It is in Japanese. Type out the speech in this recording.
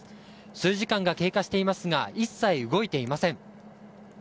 数時間が経過していますが一切動いていません。